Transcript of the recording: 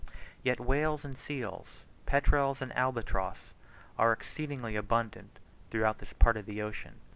Yet whales and seals, petrels and albatross, are exceedingly abundant throughout this part of the ocean.